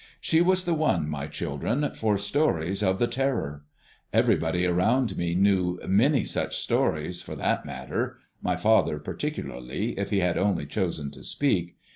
She was the one, my children, for stories of the Terror! Everybody around me knew many such stories, for that matter, my father particularly, if he had only chosen to speak.